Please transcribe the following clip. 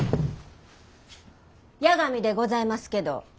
八神でございますけど。